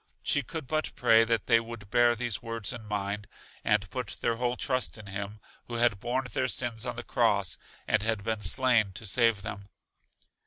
She could but pray that they would bear these words in mind, and put their whole trust in Him who had borne their sins on the Cross, and had been slain to save them.